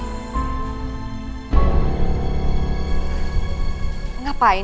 aku kerja di perusahaan papanya riri